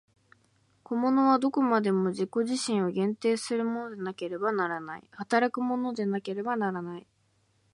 個物はどこまでも自己自身を限定するものでなければならない、働くものでなければならない。